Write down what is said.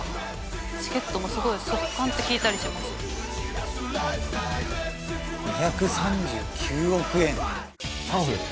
「チケットもすごい即完って聞いたりします」「２３９億円」パンフレット？